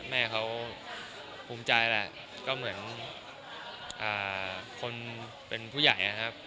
แม่เขาภูมิใจแหละก็เหมือนคนเป็นผู้ใหญ่นะครับ